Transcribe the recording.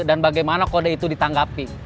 dan bagaimana kode itu ditanggapi